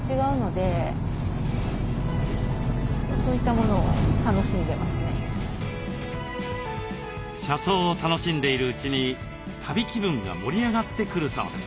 車窓を楽しんでいるうちに旅気分が盛り上がってくるそうです。